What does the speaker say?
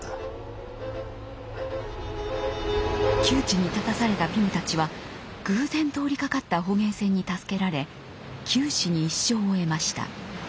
窮地に立たされたピムたちは偶然通りかかった捕鯨船に助けられ九死に一生を得ました。